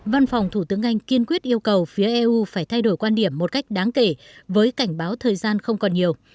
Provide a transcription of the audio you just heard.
văn phòng thủ tướng anh kiên quyết yêu cầu phía eu phải thay đổi quan điểm một cách đáng kể với cảnh báo thời gian không còn nhiều